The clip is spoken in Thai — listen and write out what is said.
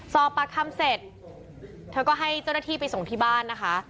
สอบปากคำเสร็จเธอก็ให้เจ้าหน้าที่ไปส่งที่บ้านนะคะ